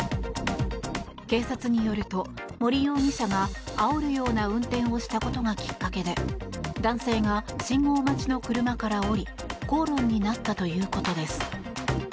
警察によると森容疑者があおるような運転をしたことがきっかけで男性が信号待ちの車から降り口論になったということです。